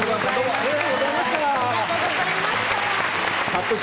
ありがとうございます。